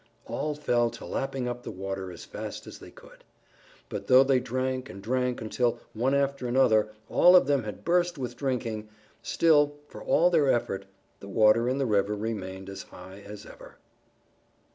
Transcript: All fell to lapping up the water as fast as they could. But though they drank and drank until, one after another, all of them had burst with drinking, still, for all their effort, the water in the river remained as high as ever.